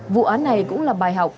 vụ án này cũng là bài học